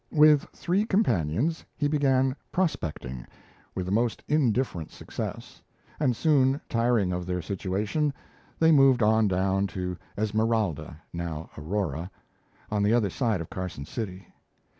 With three companions, he began "prospecting," with the most indifferent success; and soon tiring of their situation, they moved on down to Esmeralda (now Aurora), on the other side of Carson City.